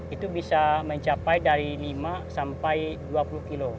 itu bisa mencapai dari lima sampai dua puluh kilo